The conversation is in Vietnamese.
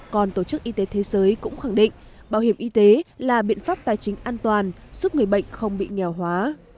còn tổ chức y tế thế giới cũng khẳng định bảo hiểm y tế là biện pháp tài chính an toàn giúp người bệnh không bị nghèo hóa